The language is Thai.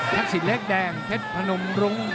ทักษิเล็กแดงเทศพนุมรุ่ง